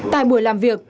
tại buổi làm việc